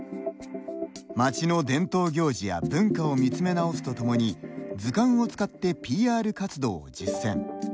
町の伝統行事や文化を見つめ直すとともに図鑑を使ってＰＲ活動を実践。